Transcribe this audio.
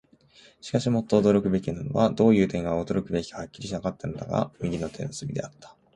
しかし、もっと驚くべきものは、どういう点が驚くべきかははっきりとはわからなかったのだが、右手の隅であった。